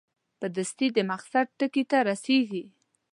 په دستي د مقصد ټکي ته رسېږي.